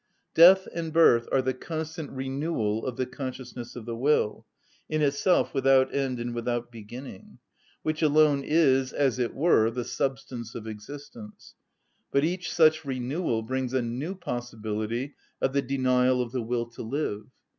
Death and birth are the constant renewal of the consciousness of the will, in itself without end and without beginning, which alone is, as it were, the substance of existence (but each such renewal brings a new possibility of the denial of the will to live).